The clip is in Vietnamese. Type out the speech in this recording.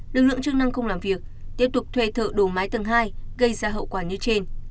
lực lượng chức năng không làm việc tiếp tục thuê thợ đổ mái tầng hai gây ra hậu quả như trên